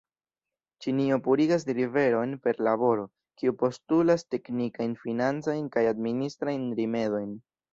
Ĉinio purigas riverojn per laboro, kiu postulas teknikajn, financajn kaj administrajn rimedojn.